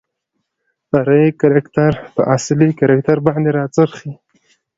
فرعي کرکتر په اصلي کرکتر باندې راڅرخي .